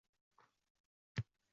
Oyi, nima bu, tashlab yuboraylik.